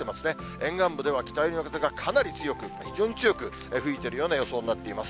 沿岸部では北寄りの風がかなり強く、非常に強く吹いているような予想になっています。